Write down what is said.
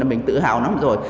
mình tự hào lắm rồi